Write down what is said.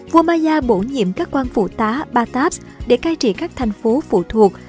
vua maya bổ nhiệm các quan phụ tá batabs để cai trị các thành phố phụ thuộc